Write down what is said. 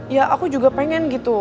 ya aku juga pengen gitu